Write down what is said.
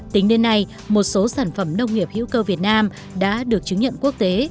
tính đến nay một số sản phẩm nông nghiệp hữu cơ việt nam đã được chứng nhận quốc tế